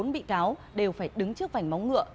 bốn bị gáo đều phải đứng trước vảnh móng ngựa